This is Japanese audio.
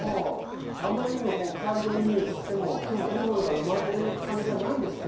あまりにも感情移入してもいいものが生まれる感じじゃないんですね